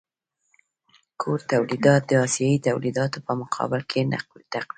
کور تولیدات د اسیايي تولیداتو په مقابل کې تقویه شول.